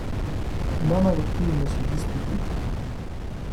L’homme avec qui je me suis disputé.